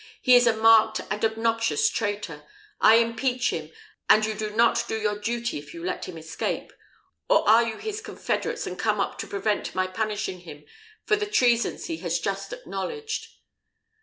He is a marked and obnoxious traitor. I impeach him, and you do not your duty if you let him escape; or are you his confederates, and come up to prevent my punishing him for the treasons he has just acknowledged?"